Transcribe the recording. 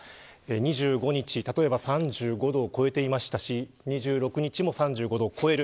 ２５日、例えば３５度を超えていましたし２６日も３５度を超える。